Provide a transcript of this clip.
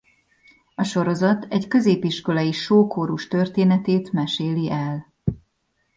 A sorozat egy középiskolai show-kórus történetét meséli el.